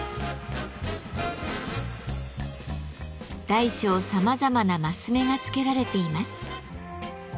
大小さまざまな升目がつけられています。